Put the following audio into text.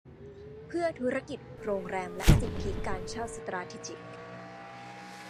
เพื่อธุรกิจโรงแรมและสิทธิการเช่าสตราทีจิก